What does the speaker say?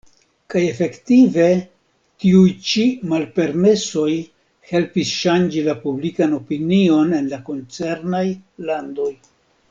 Kaj efektive tiuj ĉi malpermesoj helpis ŝanĝi la publikan opinion en la koncernaj landoj.